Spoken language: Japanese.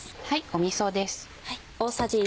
みそです。